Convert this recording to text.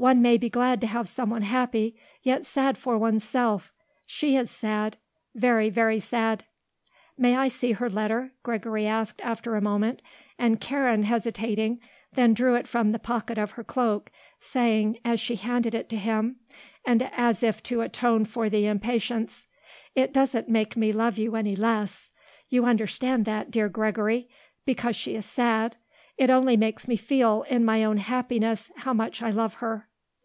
"One may be glad to have someone happy, yet sad for oneself. She is sad. Very, very sad." "May I see her letter?" Gregory asked after a moment, and Karen, hesitating, then drew it from the pocket of her cloak, saying, as she handed it to him, and as if to atone for the impatience, "It doesn't make me love you any less you understand that, dear Gregory because she is sad. It only makes me feel, in my own happiness, how much I love her."